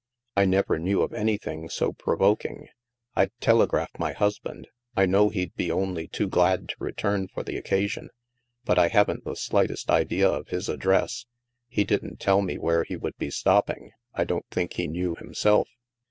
" I never knew of anything so provoking. I'd telegraph my husband — I know he'd be only too glad to return for the occasion — but I haven't the slightest idea of his address. He didn't tell me where he would be stopping. I don't think he knew himself."